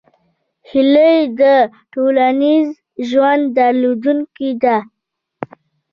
هیلۍ د ټولنیز ژوند درلودونکې ده